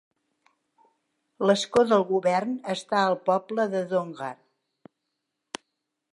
L'escó del govern està al poble de Donggar.